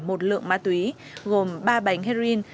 một lượng ma túy gồm ba bánh heroin